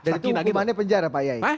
dan itu hukumannya penjara pak yai